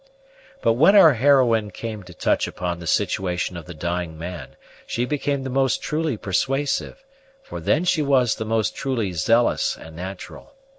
But when our heroine came to touch upon the situation of the dying man, she became the most truly persuasive; for then she was the most truly zealous and natural.